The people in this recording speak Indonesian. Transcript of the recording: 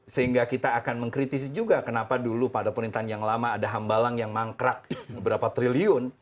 sehingga kita akan mengkritisi juga kenapa dulu pada pemerintahan yang lama ada hambalang yang mangkrak berapa triliun